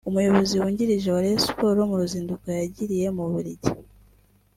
Umuyobozi wungirije wa Rayon Sports mu ruzinduko yagiriye mu Bubiligi